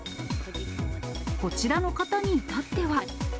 こちらの方に至っては。